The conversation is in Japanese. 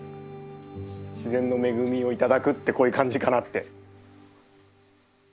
自然の恵みを頂くってこういう感じかなって。